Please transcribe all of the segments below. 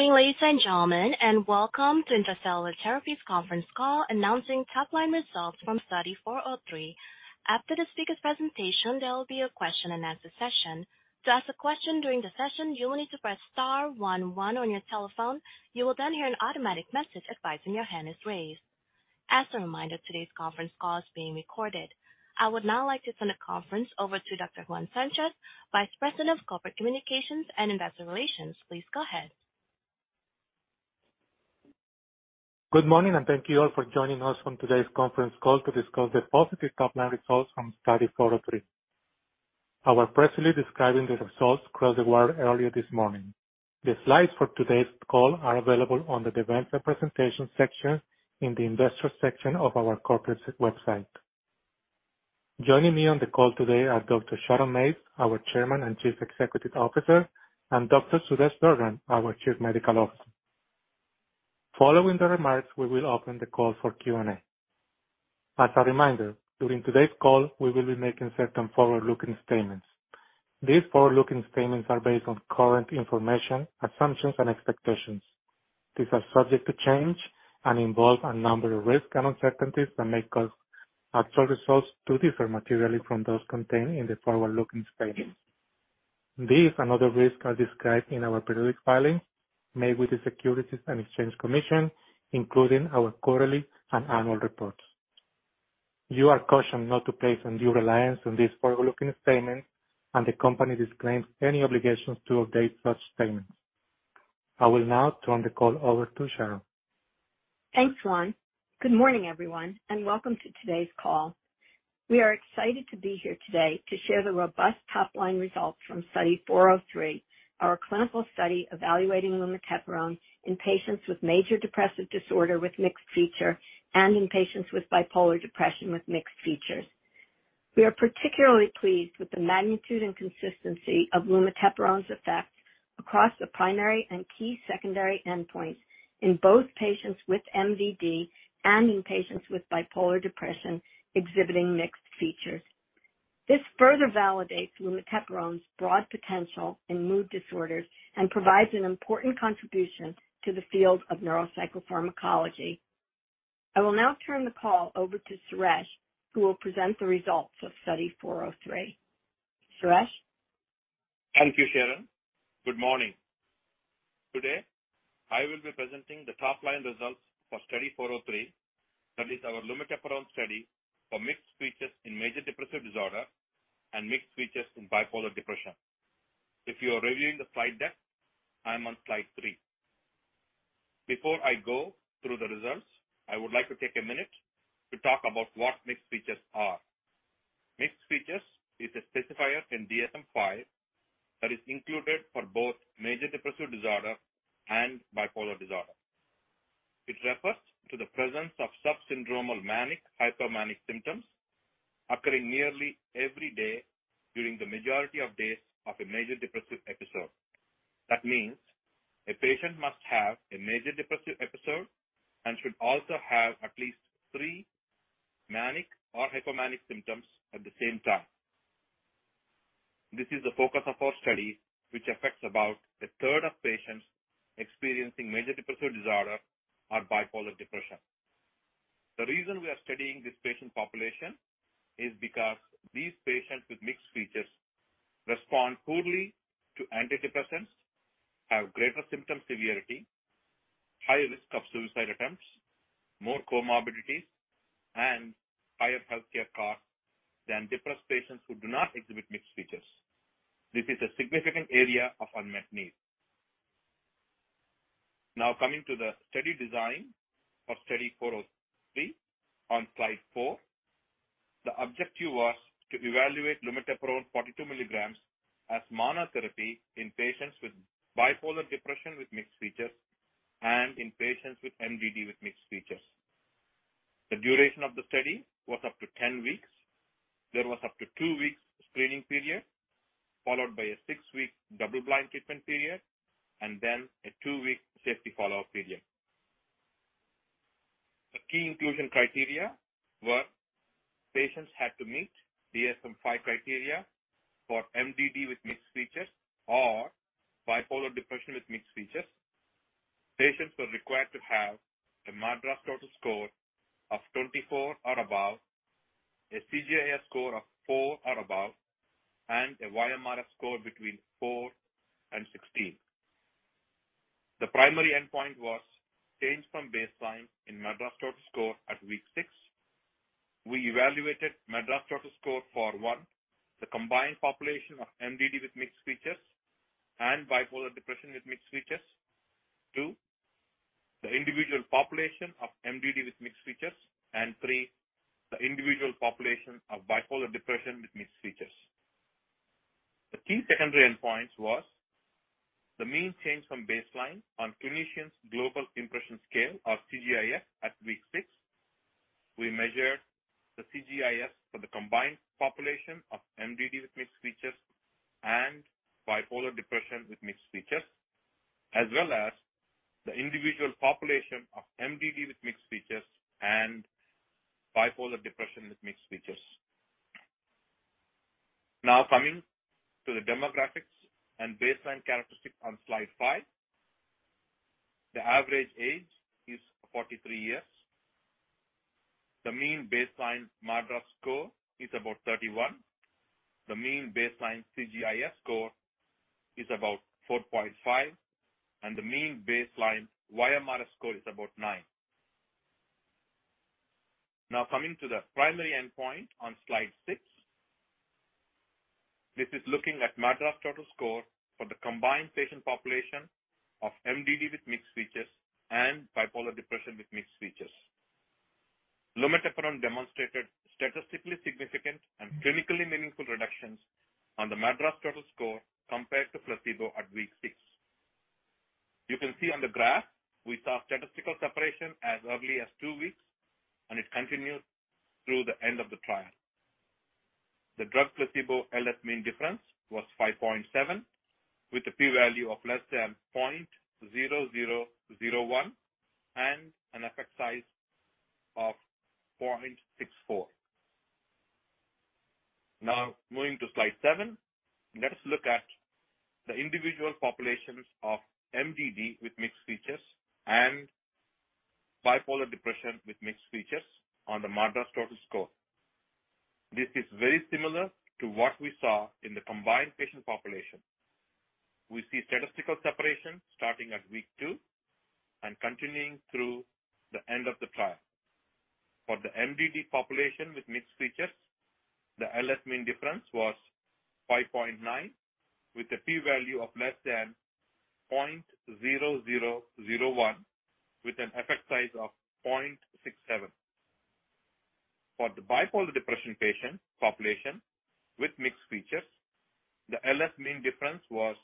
Good morning, ladies and gentlemen, and welcome to Intra-Cellular Therapies Conference Call announcing top-line results from Study 403. After the speaker's presentation, there will be a question and answer session. To ask a question during the session, you will need to press star one one on your telephone. You will then hear an automatic message advising your hand is raised. As a reminder, today's conference call is being recorded. I would now like to turn the conference over to Dr. Juan Sanchez, Vice President of Corporate Communications and Investor Relations. Please go ahead. Good morning. Thank you all for joining us on today's conference call to discuss the positive top-line results from Study 403. I was personally describing the results across the world earlier this morning. The slides for today's call are available on the Events and Presentation section in the Investor section of our corporate website. Joining me on the call today are Dr. Sharon Mates, our Chairman and Chief Executive Officer, and Dr. Suresh Durgam, our Chief Medical Officer. Following the remarks, we will open the call for Q&A. As a reminder, during today's call, we will be making certain forward-looking statements. These forward-looking statements are based on current information, assumptions, and expectations. These are subject to change and involve a number of risks and uncertainties that may cause actual results to differ materially from those contained in the forward-looking statements. These and other risks are described in our periodic filings made with the Securities and Exchange Commission, including our quarterly and annual reports. You are cautioned not to place undue reliance on these forward-looking statements. The company disclaims any obligation to update such statements. I will now turn the call over to Sharon. Thanks, Juan. Good morning, everyone, and welcome to today's call. We are excited to be here today to share the robust top-line results from Study 403, our clinical study evaluating lumateperone in patients with major depressive disorder with mixed features and in patients with bipolar depression with mixed features. We are particularly pleased with the magnitude and consistency of lumateperone's effect across the primary and key secondary endpoints in both patients with MDD and in patients with bipolar depression exhibiting mixed features. This further validates lumateperone's broad potential in mood disorders and provides an important contribution to the field of neuropsychopharmacology. I will now turn the call over to Suresh, who will present the results of Study 403. Suresh? Thank you, Sharon. Good morning. Today, I will be presenting the top-line results for Study 403. That is our lumateperone study for mixed features in major depressive disorder and mixed features in bipolar depression. If you are reviewing the slide deck, I am on slide three. Before I go through the results, I would like to take a minute to talk about what mixed features are. Mixed features is a specifier in DSM-5 that is included for both major depressive disorder and bipolar disorder. It refers to the presence of subsyndromal manic, hypomanic symptoms occurring nearly every day during the majority of days of a major depressive episode. That means a patient must have a major depressive episode and should also have at least three manic or hypomanic symptoms at the same time. This is the focus of our study, which affects about a third of patients experiencing major depressive disorder or bipolar depression. The reason we are studying this patient population is because these patients with mixed features respond poorly to antidepressants, have greater symptom severity, higher risk of suicide attempts, more comorbidities, and higher healthcare costs than depressed patients who do not exhibit mixed features. This is a significant area of unmet need. Coming to the study design of Study 403 on slide four. The objective was to evaluate lumateperone 42 milligrams as monotherapy in patients with bipolar depression with mixed features and in patients with MDD with mixed features. The duration of the study was up to 10 weeks. There was up to two weeks screening period, followed by a six-week double-blind treatment period and then a two-week safety follow-up period. The key inclusion criteria were patients had to meet DSM-5 criteria for MDD with mixed features or bipolar depression with mixed features. Patients were required to have a MADRS total score of 24 or above, a CGIS score of four or above, and a YMRS score between four and 16. The primary endpoint was change from baseline in MADRS total score at week six. We evaluated MADRS total score for, one, the combined population of MDD with mixed features and bipolar depression with mixed features. Two, the individual population of MDD with mixed features. Three, the individual population of bipolar depression with mixed features. The key secondary endpoint was the mean change from baseline on Clinician's Global Impression Scale of CGIS at week six. We measured the CGIS for the combined population of MDD with mixed features and bipolar depression with mixed features, as well as the individual population of MDD with mixed features and bipolar depression with mixed features. Coming to the demographics and baseline characteristics on slide five. The average age is 43 years. The mean baseline MADRS score is about 31. The mean baseline CGIS score is about 4.5, and the mean baseline YMRS score is about nine. Coming to the primary endpoint on slide six. This is looking at MADRS total score for the combined patient population of MDD with mixed features and bipolar depression with mixed features. Lumateperone demonstrated statistically significant and clinically meaningful reductions on the MADRS total score compared to placebo at week six. You can see on the graph we saw statistical separation as early as two weeks, and it continued through the end of the trial. The drug placebo LS mean difference was 5.7, with a P value of less than 0.0001 and an effect size of 0.64. Now moving to slide seven. Let us look at the individual populations of MDD with mixed features and bipolar depression with mixed features on the MADRS total score. This is very similar to what we saw in the combined patient population. We see statistical separation starting at week twi and continuing through the end of the trial. For the MDD population with mixed features, the LS mean difference was 5.9, with a P value of less than 0.0001, with an effect size of 0.67. For the bipolar depression patient population with mixed features, the LS mean difference was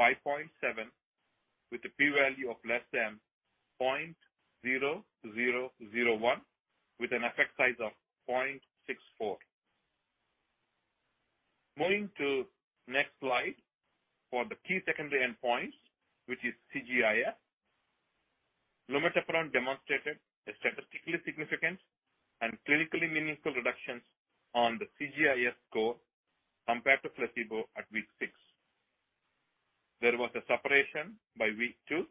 5.7 with a P value of less than 0.0001 with an effect size of 0.64. Moving to next slide. For the key secondary endpoints, which is CGIS, lumateperone demonstrated a statistically significant and clinically meaningful reductions on the CGIS score compared to placebo at week six. There was a separation by week two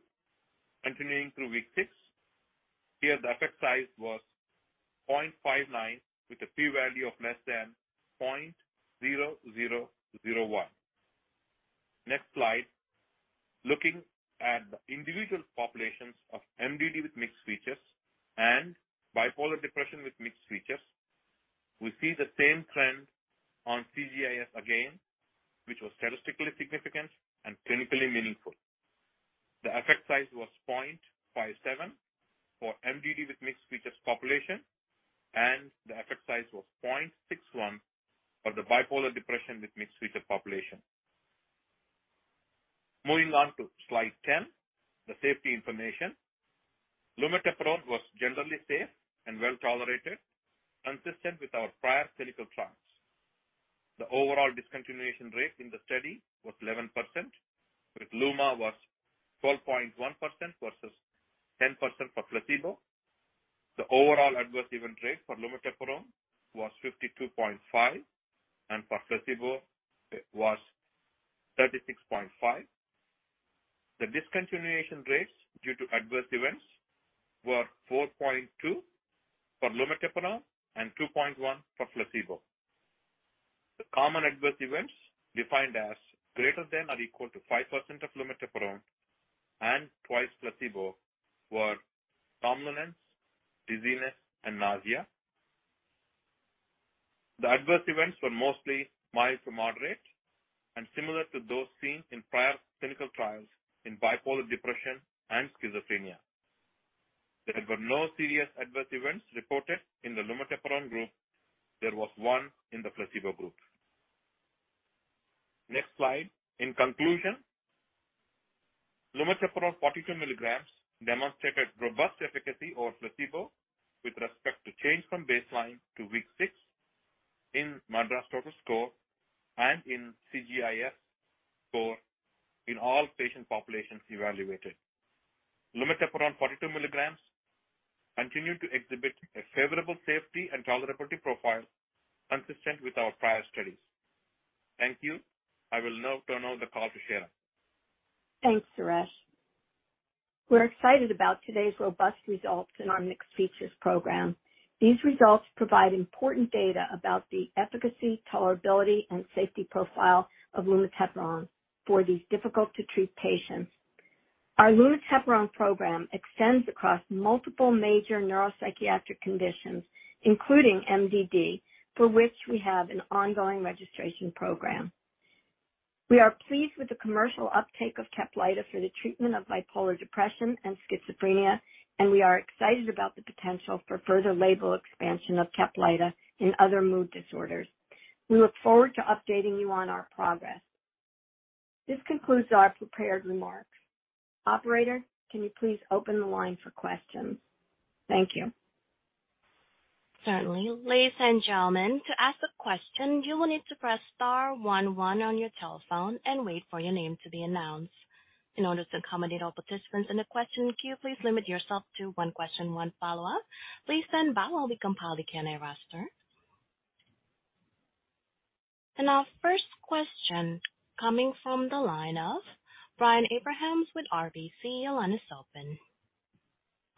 continuing through week six. Here the effect size was 0.59 with a P value of less than 0.0001. Next slide. Looking at the individual populations of MDD with mixed features and bipolar depression with mixed features, we see the same trend on CGIS again, which was statistically significant and clinically meaningful. The effect size was 0.57 for MDD with mixed features population, the effect size was 0.61 for the bipolar depression with mixed features population. Moving on to slide 10, the safety information. lumateperone was generally safe and well-tolerated, consistent with our prior clinical trials. The overall discontinuation rate in the study was 11%, with lumateperone was 12.1% versus 10% for placebo. The overall adverse event rate for lumateperone was 52.5%, and for placebo it was 36.5%. The discontinuation rates due to adverse events were 4.2% for lumateperone and 2.1% for placebo. The common adverse events, defined as greater than or equal to 5% of lumateperone and twice placebo, were somnolence, dizziness, and nausea. The adverse events were mostly mild to moderate and similar to those seen in prior clinical trials in bipolar depression and schizophrenia. There were no serious adverse events reported in the lumateperone group. There was one in the placebo group. Next slide. In conclusion, lumateperone 42 milligrams demonstrated robust efficacy or placebo with respect to change from baseline to week six in MADRS total score and in CGIS score in all patient populations evaluated. Lumateperone 42 milligrams continued to exhibit a favorable safety and tolerability profile consistent with our prior studies. Thank you. I will now turn over the call to Sharon. Thanks, Suresh. We're excited about today's robust results in our mixed features program. These results provide important data about the efficacy, tolerability, and safety profile of lumateperone for these difficult to treat patients. Our lumateperone program extends across multiple major neuropsychiatric conditions, including MDD, for which we have an ongoing registration program. We are pleased with the commercial uptake of Caplyta for the treatment of bipolar depression and schizophrenia, and we are excited about the potential for further label expansion of Caplyta in other mood disorders. We look forward to updating you on our progress. This concludes our prepared remarks. Operator, can you please open the line for questions? Thank you. Certainly. Ladies and gentlemen, to ask a question, you will need to press star one one on your telephone and wait for your name to be announced. In order to accommodate all participants in the question queue, please limit yourself to one question, one follow-up. Please stand by while we compile the Q&A roster. Our first question coming from the line of Brian Abrahams with RBC. Your line is open.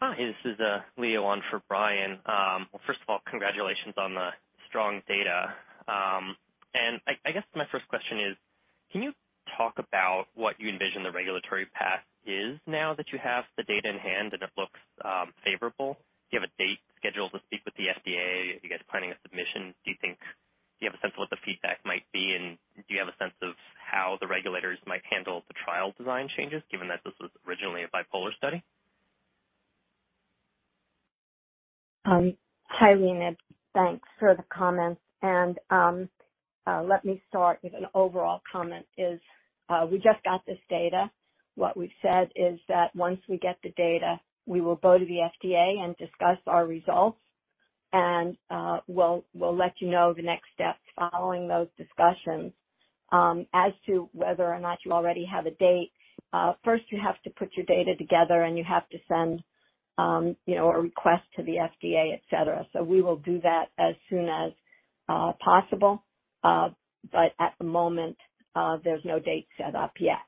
Hi, this is Leo on for Brian. Well, first of all, congratulations on the strong data. I guess my first question is, can you talk about what you envision the regulatory path is now that you have the data in hand and it looks favorable? Do you have a date scheduled to speak with the FDA? Are you guys planning a submission? Do you have a sense of what the feedback might be? Do you have a sense of how the regulators might handle the trial design changes given that this was originally a bipolar study? Hi, Leo. Thanks for the comments. Let me start with an overall comment is, we just got this data. What we've said is that once we get the data, we will go to the FDA and discuss our results. We'll let you know the next steps following those discussions. As to whether or not you already have a date, first you have to put your data together, and you have to send, you know, a request to the FDA, et cetera. We will do that as soon as possible. But at the moment, there's no date set up yet.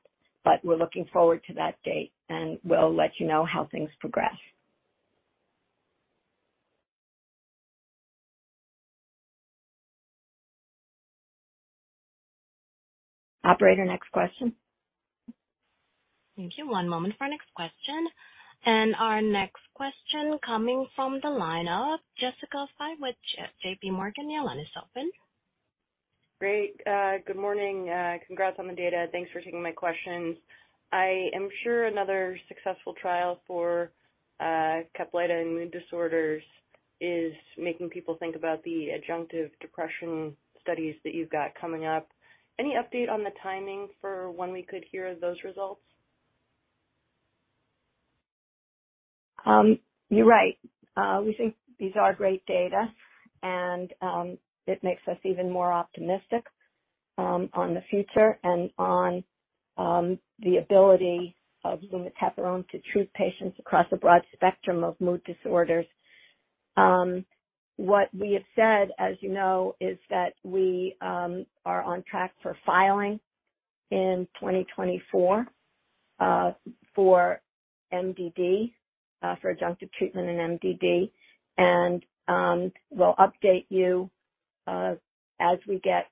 We're looking forward to that date, and we'll let you know how things progress. Operator, next question. Thank you. One moment for our next question. Our next question coming from the line of Jessica Fye with J.P. Morgan. Your line is open. Great. Good morning. Congrats on the data. Thanks for taking my questions. I am sure another successful trial for Caplyta and mood disorders is making people think about the adjunctive depression studies that you've got coming up. Any update on the timing for when we could hear those results? You're right. We think these are great data and it makes us even more optimistic on the future and on the ability of lumateperone to treat patients across a broad spectrum of mood disorders. What we have said, as you know, is that we are on track for filing in 2024 for MDD, for adjunctive treatment in MDD. We'll update you as we get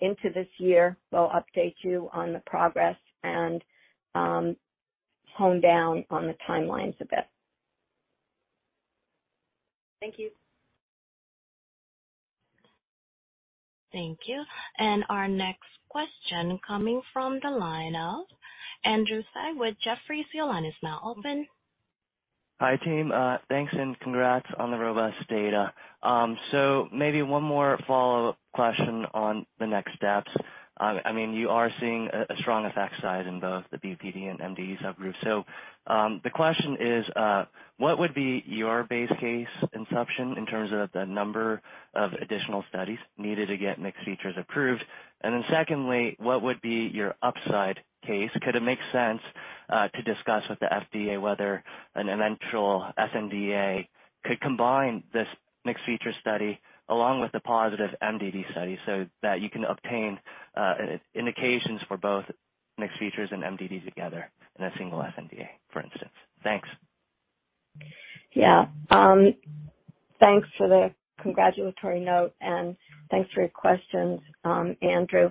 into this year. We'll update you on the progress and hone down on the timelines a bit. Thank you. Thank you. Our next question coming from the line of Andrew Tsai with Jefferies. Your line is now open. Hi, team. thanks and congrats on the robust data. I mean, you are seeing a strong effect size in both the BPD and MDD subgroups. The question is, what would be your base case inception in terms of the number of additional studies needed to get mixed features approved? Secondly, what would be your upside case? Could it make sense to discuss with the FDA whether an eventual sNDA could combine this mixed feature study along with the positive MDD study so that you can obtain indications for both mixed features and MDD together in a single sNDA, for instance? Thanks. Yeah. Thanks for the congratulatory note, and thanks for your questions, Andrew.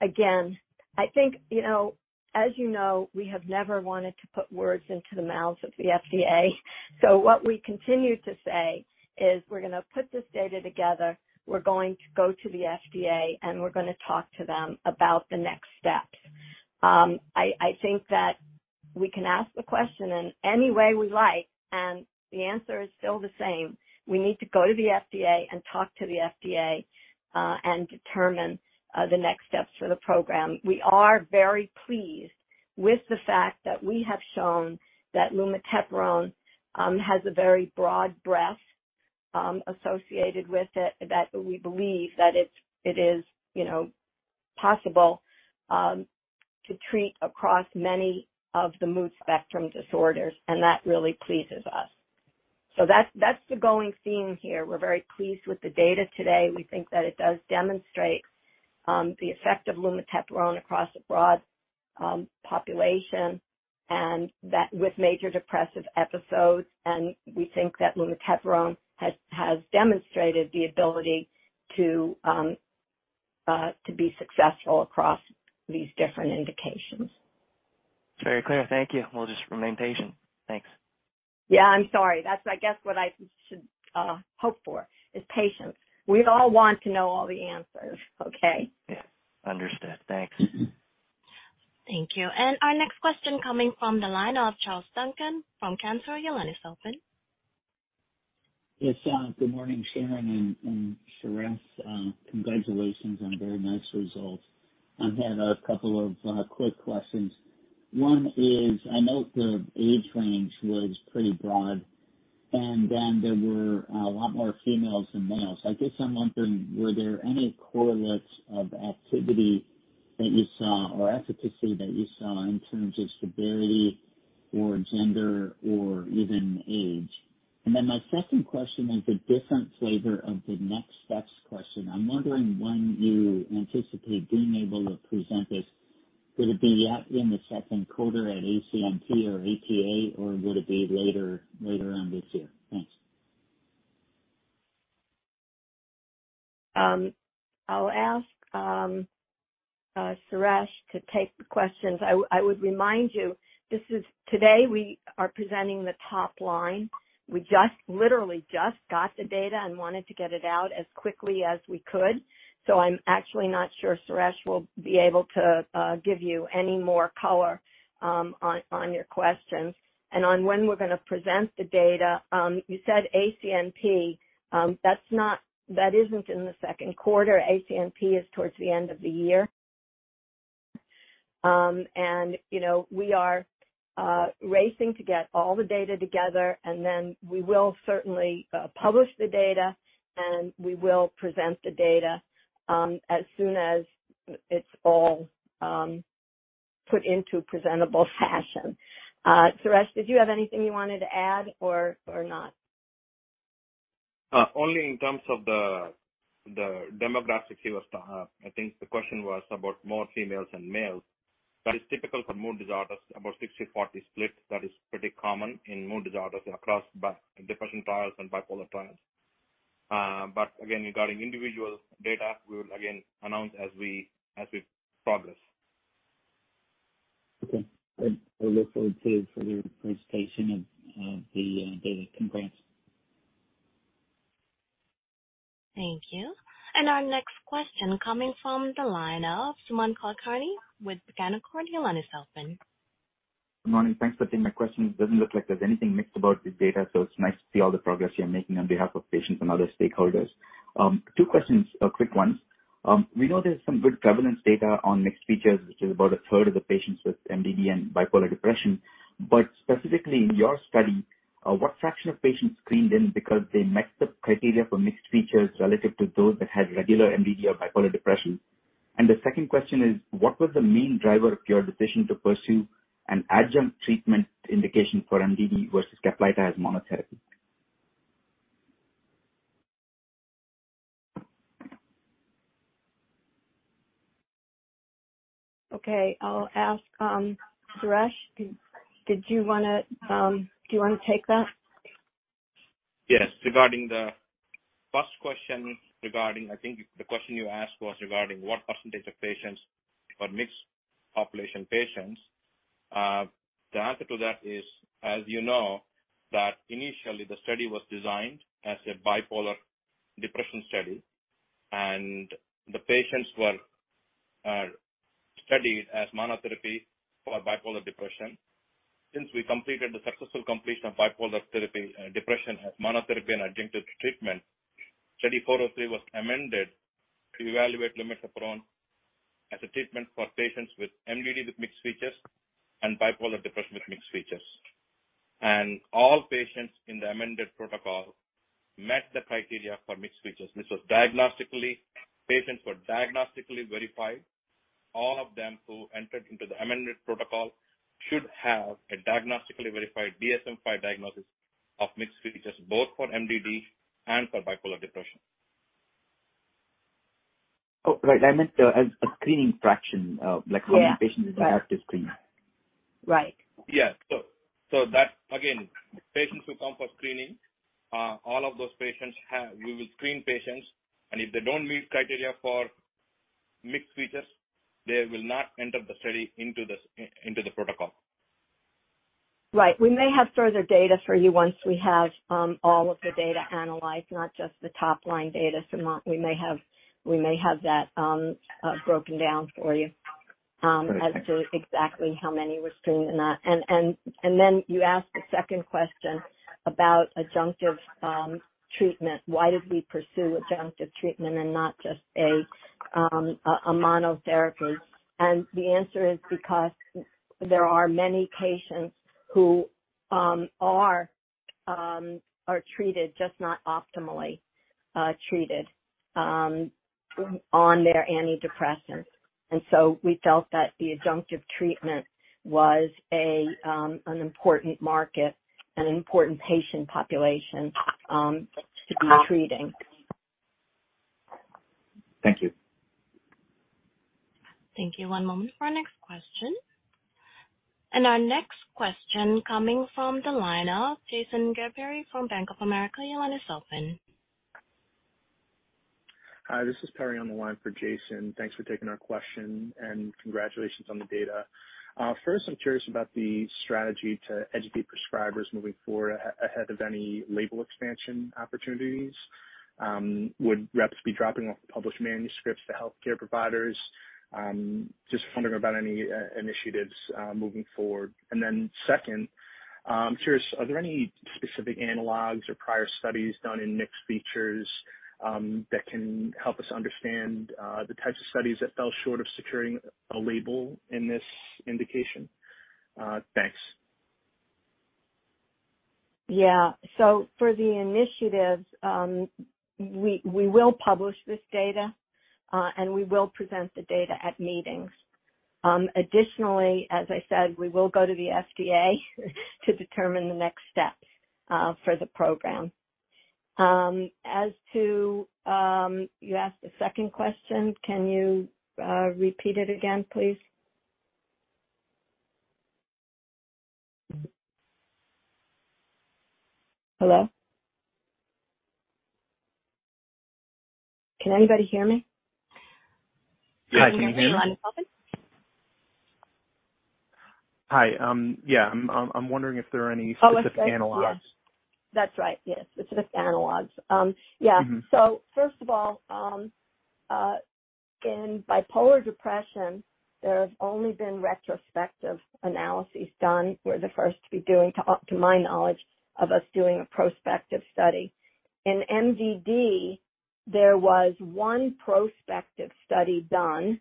Again, I think, you know, as you know, we have never wanted to put words into the mouths of the FDA. What we continue to say is we're gonna put this data together, we're going to go to the FDA, and we're gonna talk to them about the next steps. I think that we can ask the question in any way we like, and the answer is still the same. We need to go to the FDA and talk to the FDA, and determine the next steps for the program. We are very pleased with the fact that we have shown that lumateperone has a very broad breadth associated with it that we believe that it's, it is, you know, possible to treat across many of the mood spectrum disorders. That really pleases us. That's, that's the going theme here. We're very pleased with the data today. We think that it does demonstrate the effect of lumateperone across a broad population and that with major depressive episodes. We think that lumateperone has demonstrated the ability to be successful across these different indications. Very clear. Thank you. We'll just remain patient. Thanks. Yeah. I'm sorry. That's I guess what I should hope for is patience. We all want to know all the answers. Okay? Understood. Thanks. Thank you. Our next question coming from the line of Charles Duncan from Cantor Fitzgerald. Your line is open. Yes. Good morning, Sharon and Suresh. Congratulations on a very nice result. I had a couple of quick questions. One is, I note the age range was pretty broad. There were a lot more females than males. I guess I'm wondering, were there any correlates of activity that you saw or efficacy that you saw in terms of severity or gender or even age? My second question is a different flavor of the next steps question. I'm wondering when you anticipate being able to present this. Would it be in the second quarter at ACNP or APA, or would it be later on this year? Thanks. I'll ask Suresh to take the questions. I would remind you, this is, today we are presenting the top line. We just literally just got the data and wanted to get it out as quickly as we could. I'm actually not sure Suresh will be able to give you any more color on your questions. On when we're gonna present the data, you said ACNP. That's not, that isn't in the second quarter. ACNP is towards the end of the year. You know, we are racing to get all the data together, and then we will certainly publish the data, and we will present the data as soon as it's all put into presentable fashion. Suresh, did you have anything you wanted to add or not? Only in terms of the demographics you asked, I think the question was about more females than males. That is typical for mood disorders, about 60/40 split. That is pretty common in mood disorders across but depression trials and bipolar trials. Again, regarding individual data, we will again announce as we progress. Okay. I look forward to, for the presentation of, the, data at components. Thank you. Our next question coming from the line of Sumant Kulkarni with Canaccord Genuity. Your line is open. Good morning. Thanks for taking my questions. It doesn't look like there's anything mixed about this data, so it's nice to see all the progress you're making on behalf of patients and other stakeholders. Two questions, quick ones. We know there's some good prevalence data on mixed features, which is about a third of the patients with MDD and bipolar depression. Specifically in your study, what fraction of patients screened in because they met the criteria for mixed features relative to those that had regular MDD or bipolar depression? The second question is, what was the main driver of your decision to pursue an adjunct treatment indication for MDD versus Caplyta as monotherapy? Okay, I'll ask, Suresh. Did you wanna take that? Yes. Regarding the first question regarding, I think the question you asked was regarding what percentage of patients are mixed population patients. The answer to that is, as you know, that initially the study was designed as a bipolar depression study, and the patients are studied as monotherapy for bipolar depression. Since we completed the successful completion of bipolar therapy, depression as monotherapy and adjunctive treatment, Study 403 was amended to evaluate lumateperone as a treatment for patients with MDD with mixed features and bipolar depression with mixed features. All patients in the amended protocol met the criteria for mixed features. Patients were diagnostically verified. All of them who entered into the amended protocol should have a diagnostically verified DSM-5 diagnosis of mixed features, both for MDD and for bipolar depression. Oh, right. I meant, a screening fraction. Yeah. Like how many patients active screening? Right. Yeah. That, again, patients who come for screening, all of those patients we will screen patients, if they don't meet criteria for mixed features, they will not enter the study into this, into the protocol. Right. We may have further data for you once we have all of the data analyzed, not just the top-line data, Sumant. We may have that broken down for you. Okay, thank you. As to exactly how many were screened in that. You asked the second question about adjunctive treatment. Why did we pursue adjunctive treatment and not just a monotherapy? The answer is because there are many patients who are treated just not optimally treated on their antidepressant. We felt that the adjunctive treatment was an important market, an important patient population, to be treating. Thank you. Thank you. One moment for our next question. Our next question coming from the line of Jason Gerberry from Bank of America. Your line is open. Hi, this is Perry on the line for Jason. Thanks for taking our question and congratulations on the data. First, I'm curious about the strategy to educate prescribers moving forward ahead of any label expansion opportunities. Would reps be dropping off published manuscripts to healthcare providers? Just wondering about any initiatives moving forward. Second, I'm curious, are there any specific analogs or prior studies done in mixed features that can help us understand the types of studies that fell short of securing a label in this indication? Thanks. Yeah. For the initiatives, we will publish this data. We will present the data at meetings. Additionally, as I said, we will go to the FDA to determine the next steps for the program. As to, you asked a second question. Can you repeat it again, please? Hello? Can anybody hear me? Yes, I can hear you. Your line is open. Hi. Yeah, I'm wondering if there are. Oh, I'm sorry. -specific analogs. Yes. That's right, yes, specific analogs. Yeah. Mm-hmm. First of all, in bipolar depression, there have only been retrospective analyses done. We're the first to my knowledge of us doing a prospective study. In MDD, there was one prospective study done.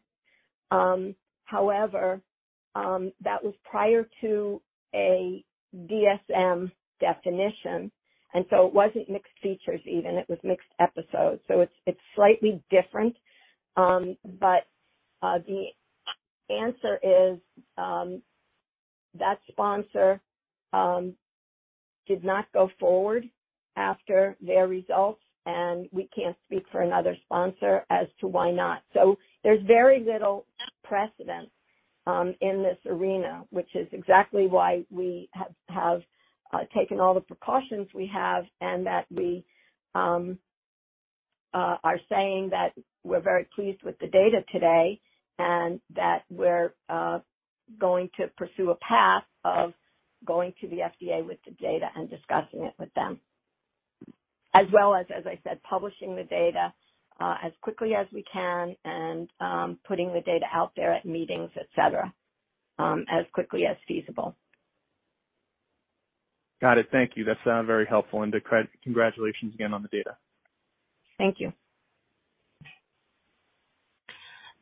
However, that was prior to a DSM definition, and it wasn't mixed features even. It was mixed episodes. It's slightly different. But the answer is that sponsor did not go forward after their results, and we can't speak for another sponsor as to why not. There's very little precedent in this arena, which is exactly why we have taken all the precautions we have and that we are saying that we're very pleased with the data today and that we're going to pursue a path of going to the FDA with the data and discussing it with them. As well as I said, publishing the data as quickly as we can and putting the data out there at meetings, et cetera, as quickly as feasible. Got it. Thank you. That's very helpful. Congratulations again on the data. Thank you.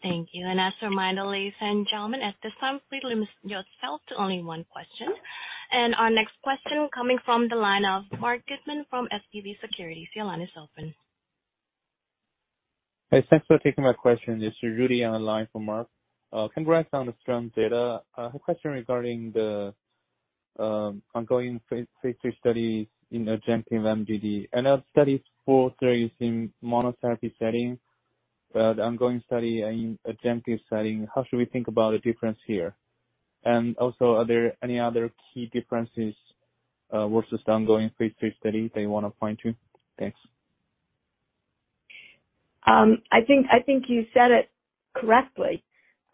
Thank you. As a reminder, ladies and gentlemen, at this time, please limit yourself to only one question. Our next question coming from the line of Marc Goodman from SVB Securities. Your line is open. Hey, thanks for taking my question. This is Rudy on the line for Mark. Congrats on the strong data. A question regarding the ongoing Phase III study in adjunctive MDD. I know studies four there is in monotherapy setting, but ongoing study in adjunctive setting, how should we think about the difference here? Also, are there any other key differences versus the ongoing Phase III study that you wanna point to? Thanks. I think you said it correctly,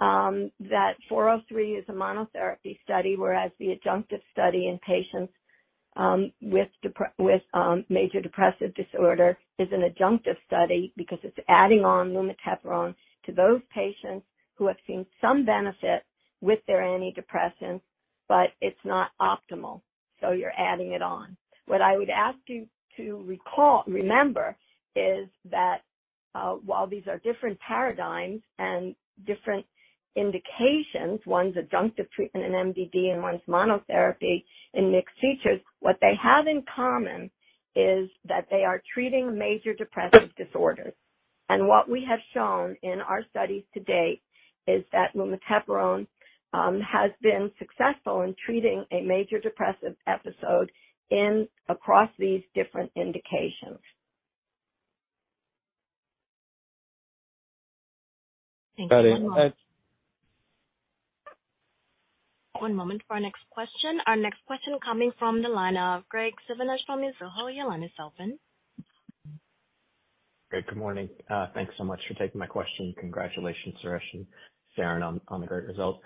that Study 403 is a monotherapy study, whereas the adjunctive study in patients with major depressive disorder is an adjunctive study because it's adding on lumateperone to those patients who have seen some benefit with their antidepressants, but it's not optimal, so you're adding it on. What I would ask you to remember is that while these are different paradigms and different indications, one's adjunctive treatment in MDD and one's monotherapy in mixed features, what they have in common is that they are treating major depressive disorders. What we have shown in our studies to date is that lumateperone has been successful in treating a major depressive episode in across these different indications. Got it. Thank you very much. One moment for our next question. Our next question coming from the line of Graig Suvannavejh from Mizuho. Your line is open. Hey, good morning. Thanks so much for taking my question. Congratulations, Suresh and Sharon, on the great result.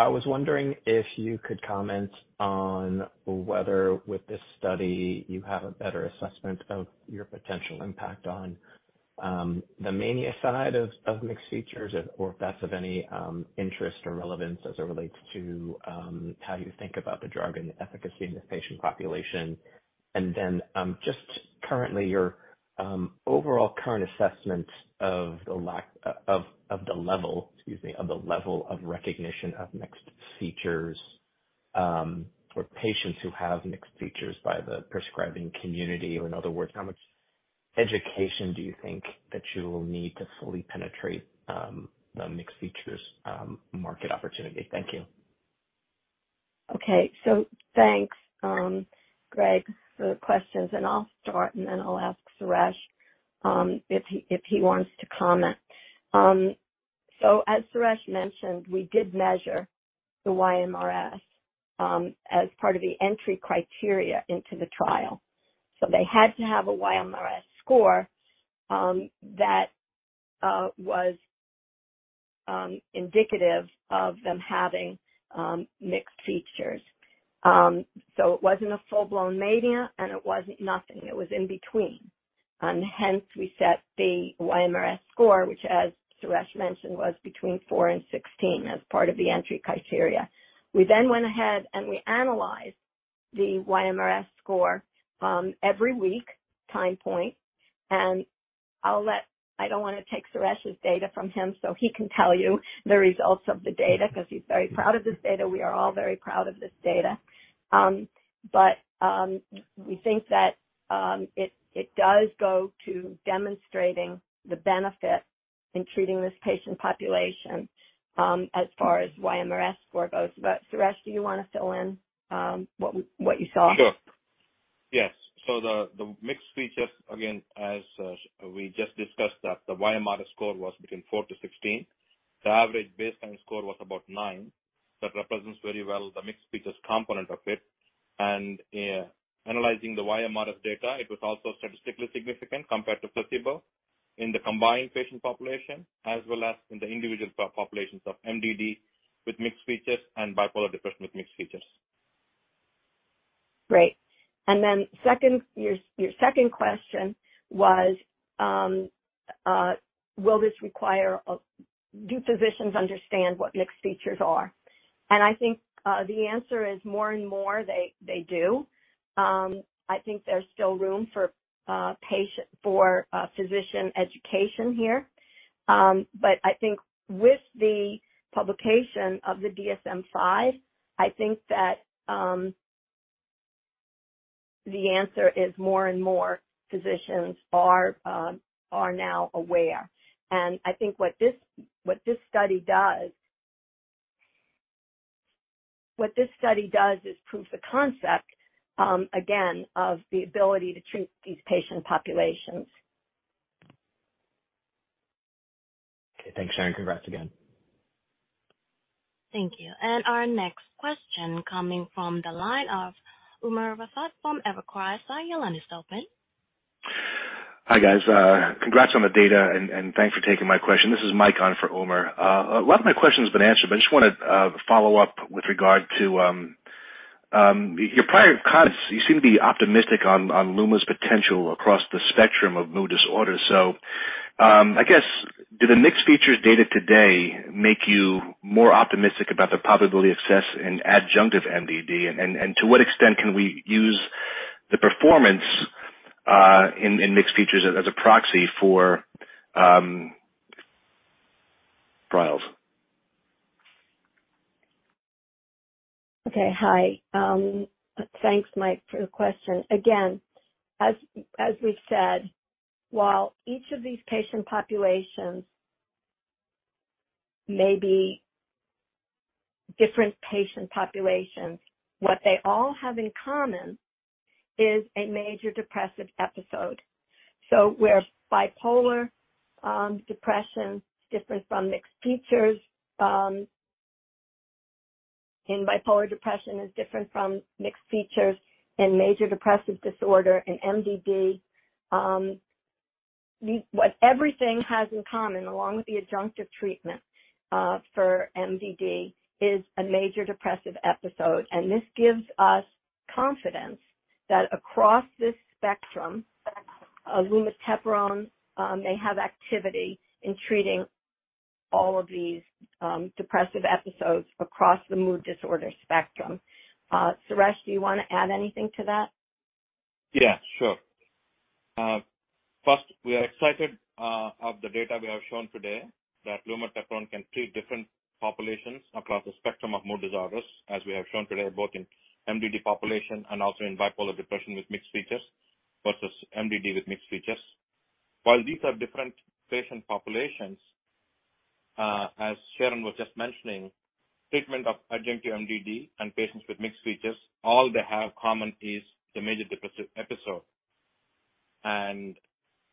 I was wondering if you could comment on whether with this study you have a better assessment of your potential impact on the mania side of mixed features or if that's of any interest or relevance as it relates to how you think about the drug and efficacy in this patient population. Just currently your overall current assessment of the lack of the level, excuse me, of the level of recognition of mixed features or patients who have mixed features by the prescribing community, or in other words, how much education do you think that you will need to fully penetrate the mixed features market opportunity? Thank you. Okay. Thanks, Graig, for the questions. I'll start, and then I'll ask Suresh if he wants to comment. As Suresh mentioned, we did measure the YMRS as part of the entry criteria into the trial. They had to have a YMRS score that was indicative of them having mixed features. It wasn't a full-blown mania. It wasn't nothing. It was in between. Hence we set the YMRS score, which, as Suresh mentioned, was between four and 16 as part of the entry criteria. We went ahead and we analyzed the YMRS score every week, time point. I don't wanna take Suresh's data from him. He can tell you the results of the data 'cause he's very proud of this data. We are all very proud of this data. We think that it does go to demonstrating the benefit in treating this patient population, as far as YMRS score goes. Suresh, do you wanna fill in what you saw? Sure. Yes. The mixed features, again, as we just discussed that the YMRS score was between four-16. The average baseline score was about nine. That represents very well the mixed features component of it. Analyzing the YMRS data, it was also statistically significant compared to placebo in the combined patient population as well as in the individual populations of MDD with mixed features and bipolar depression with mixed features. Great. Second, your second question was, Do physicians understand what mixed features are? I think, the answer is more and more they do. I think there's still room for, patient, for, physician education here. I think with the publication of the DSM-5, I think that, the answer is more and more physicians are now aware. I think what this study does is prove the concept, again, of the ability to treat these patient populations. Okay, thanks, Sharon. Congrats again. Thank you. Our next question coming from the line of Umer Raffat from Evercore. Sir, your line is open. Hi, guys. Congrats on the data and thanks for taking my question. This is Mike on for Umer. A lot of my question's been answered, but I just wanna follow up with regard to your prior comments. You seem to be optimistic on lumateperone potential across the spectrum of mood disorders. I guess, do the mixed features data today make you more optimistic about the probability of success in adjunctive MDD? To what extent can we use the performance in mixed features as a proxy for trials? Okay. Hi. Thanks, Mike, for the question. Again, as we've said, while each of these patient populations may be different patient populations, what they all have in common is a major depressive episode. Where bipolar depression is different from mixed features, and bipolar depression is different from mixed features and major depressive disorder and MDD, what everything has in common along with the adjunctive treatment for MDD is a major depressive episode. This gives us confidence that across this spectrum, lumateperone may have activity in treating all of these depressive episodes across the mood disorder spectrum. Suresh, do you wanna add anything to that? Sure. First, we are excited of the data we have shown today that lumateperone can treat different populations across the spectrum of mood disorders, as we have shown today, both in MDD population and also in bipolar depression with mixed features versus MDD with mixed features. While these are different patient populations, as Sharon was just mentioning, treatment of adjunctive MDD and patients with mixed features, all they have common is the major depressive episode.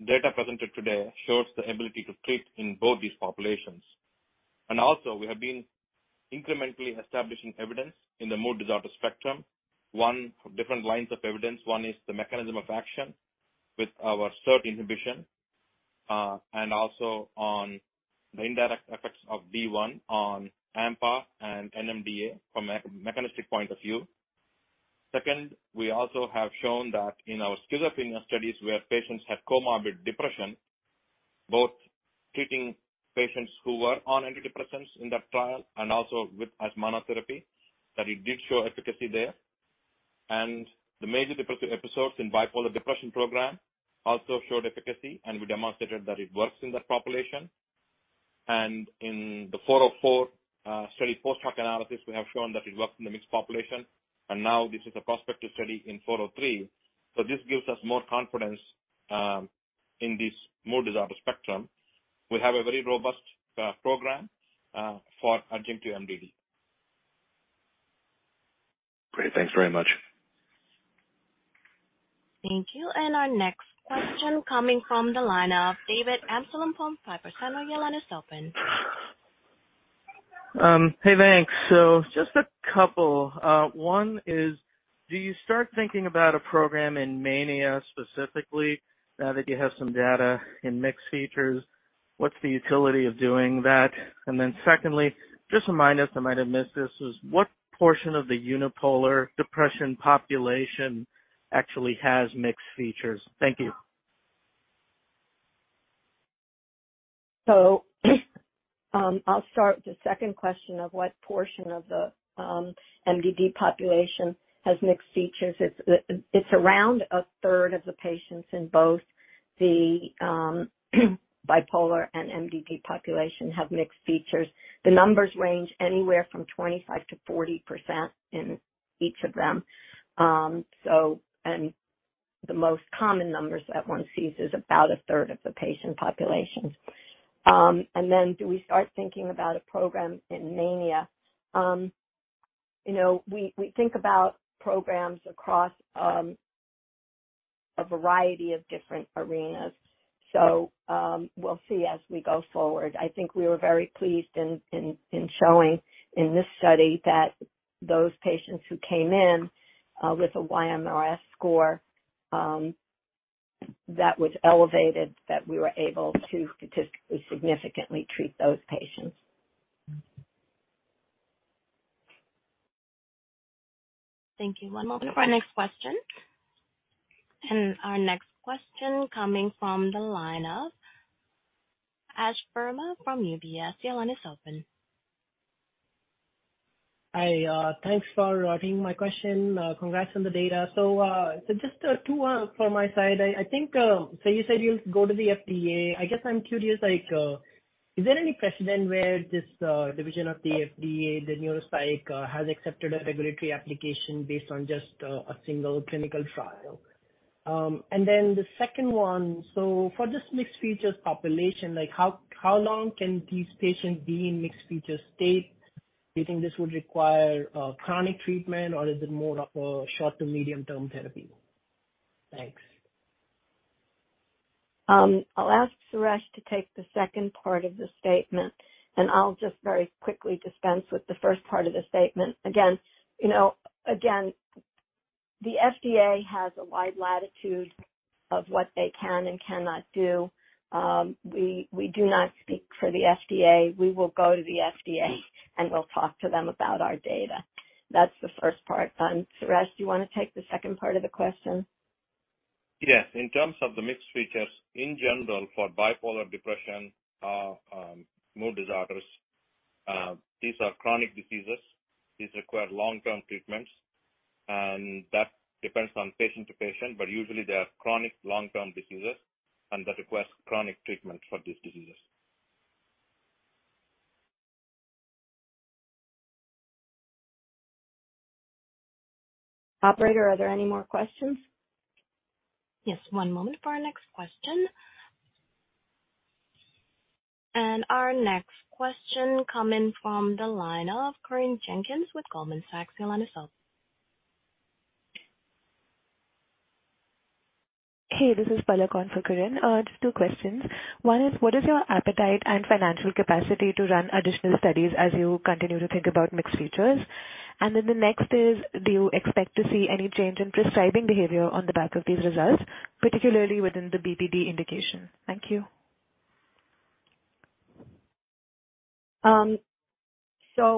Data presented today shows the ability to treat in both these populations. Also we have been incrementally establishing evidence in the mood disorder spectrum, one different lines of evidence. One is the mechanism of action with our SERT inhibition, and also on the indirect effects of D1 on AMPA and NMDA from a mechanistic point of view. Second, we also have shown that in our schizophrenia studies where patients had comorbid depression, both treating patients who were on antidepressants in that trial and also with as monotherapy, that it did show efficacy there. The major depressive episodes in bipolar depression program also showed efficacy, and we demonstrated that it works in that population. In the 404 study post-hoc analysis, we have shown that it worked in the mixed population. Now this is a prospective study in 403. This gives us more confidence in this mood disorder spectrum. We have a very robust program for adjunctive MDD. Great. Thanks very much. Thank you. Our next question coming from the line of David Amsellem from Piper Sandler. Your line is open. Hey, thanks. Just a couple. One is, do you start thinking about a program in mania specifically now that you have some data in mixed features? What's the utility of doing that? Secondly, just a minus, I might have missed this, is what portion of the unipolar depression population actually has mixed features? Thank you. I'll start with the second question of what portion of the MDD population has mixed features. It's around a third of the patients in both the bipolar and MDD population have mixed features. The numbers range anywhere from 25%-40% in each of them. The most common numbers that one sees is about a third of the patient population. Then do we start thinking about a program in mania? You know, we think about programs across a variety of different arenas, so we'll see as we go forward. I think we were very pleased in showing in this study that those patients who came in with a YMRS score that was elevated, that we were able to statistically significantly treat those patients. Thank you. One moment for our next question. Our next question coming from the line of Ashish Verma from UBS. Your line is open. I, thanks for routing my question. Congrats on the data. Just two from my side. I think, you said you'll go to the FDA. I guess I'm curious, like, is there any precedent where this division of the FDA, the Neuropsych, has accepted a regulatory application based on just a single clinical trial? Then the second one, for this mixed features population, like how long can these patients be in mixed features state? Do you think this would require chronic treatment or is it more of a short to medium-term therapy? Thanks. I'll ask Suresh to take the second part of the statement, and I'll just very quickly dispense with the first part of the statement. Again, you know, again, the FDA has a wide latitude of what they can and cannot do. We do not speak for the FDA. We will go to the FDA, and we'll talk to them about our data. That's the first part. Suresh, do you wanna take the second part of the question? Yes. In terms of the mixed features, in general, for bipolar depression, mood disorders, these are chronic diseases. These require long-term treatments, and that depends on patient to patient, but usually they are chronic long-term diseases and that requires chronic treatment for these diseases. Operator, are there any more questions? Yes. One moment for our next question. Our next question coming from the line of Corinne Jenkins with Goldman Sachs. Your line is open. Hey, this is Palak on for Corinne. Just two questions. One is, what is your appetite and financial capacity to run additional studies as you continue to think about mixed features? The next is, do you expect to see any change in prescribing behavior on the back of these results, particularly within the BPD indication? Thank you.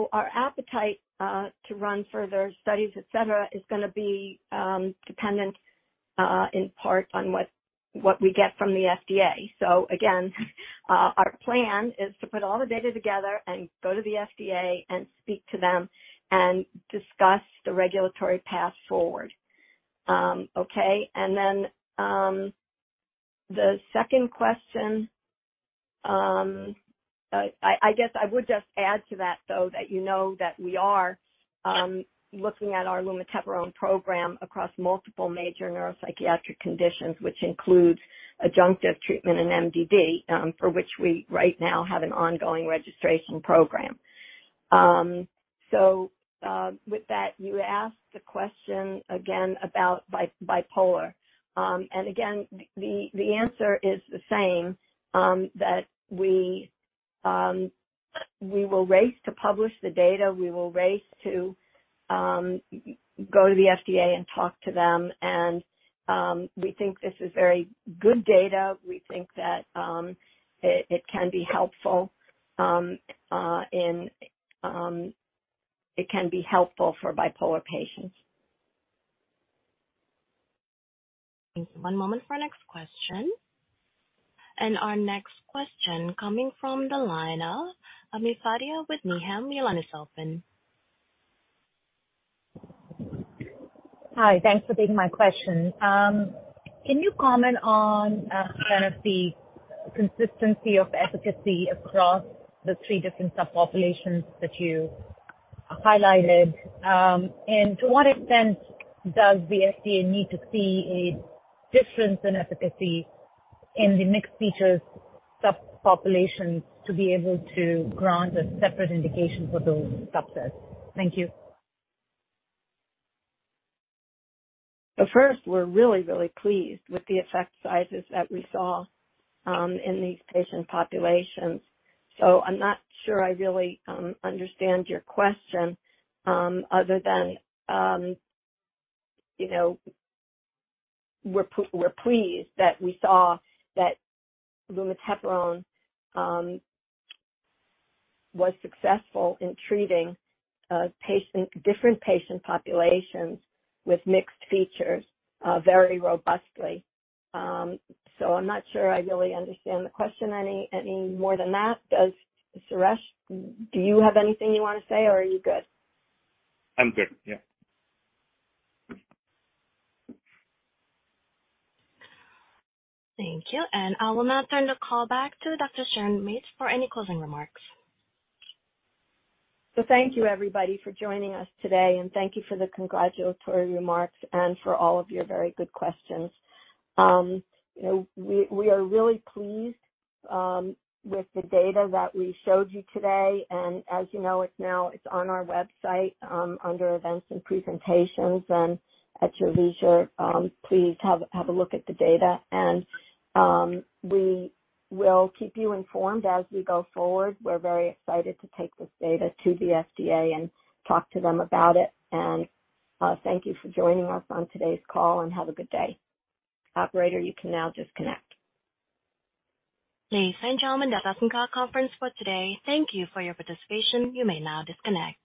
Our appetite to run further studies, et cetera, is gonna be dependent in part on what we get from the FDA. Again, our plan is to put all the data together and go to the FDA and speak to them and discuss the regulatory path forward. Okay? The second question, I guess I would just add to that, though, that you know, that we are looking at our lumateperone program across multiple major neuropsychiatric conditions, which includes adjunctive treatment in MDD, for which we right now have an ongoing registration program. With that, you asked the question again about bipolar. Again, the answer is the same, that we will race to publish the data, we will race to go to the FDA and talk to them. We think this is very good data. We think that it can be helpful for bipolar patients. One moment for our next question. Our next question coming from the line of Ami Fadia with Needham & Company. Your line is open. Hi. Thanks for taking my question. Can you comment on kind of the consistency of efficacy across the three different subpopulations that you highlighted? To what extent does the FDA need to see a difference in efficacy in the mixed features subpopulations to be able to grant a separate indication for those subsets? Thank you. First, we're really pleased with the effect sizes that we saw in these patient populations. I'm not sure I really understand your question, other than, you know, we're pleased that we saw that lumateperone was successful in treating different patient populations with mixed features very robustly. I'm not sure I really understand the question any more than that. Does Suresh, do you have anything you want to say or are you good? I'm good. Yeah. Thank you. I will now turn the call back to Dr. Sharon Mates for any closing remarks. Thank you, everybody, for joining us today, and thank you for the congratulatory remarks and for all of your very good questions. You know, we are really pleased with the data that we showed you today. As you know, it's now, it's on our website, under events and presentations. At your leisure, please have a look at the data. We will keep you informed as we go forward. We're very excited to take this data to the FDA and talk to them about it. Thank you for joining us on today's call, and have a good day. Operator, you can now disconnect. Ladies and gentlemen, that does end our conference for today. Thank you for your participation. You may now disconnect.